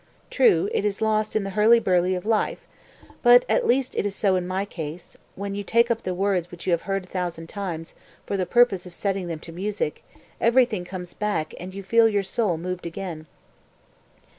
True, it is lost in the hurly burly of life; but, at least it is so in my case, when you take up the words which you have heard a thousand times, for the purpose of setting them to music, everything comes back and you feel your soul moved again."